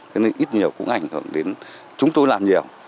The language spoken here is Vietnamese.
thế nên ít nhiều của ngành hưởng đến chúng tôi làm nhiều